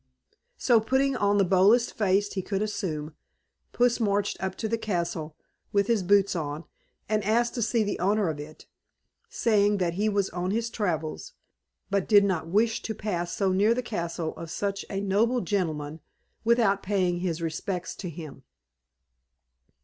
So, putting on the boldest face he could assume, Puss marched up to the castle with his boots on, and asked to see the owner of it, saying that he was on his travels, but did not wish to pass so near the castle of such a noble gentleman without paying his respects to him.